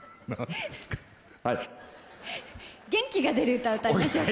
元気が出る歌歌いましょうか。